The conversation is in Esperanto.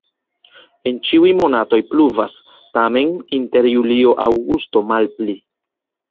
En ĉiuj monatoj pluvas, tamen inter julio-aŭgusto malpli.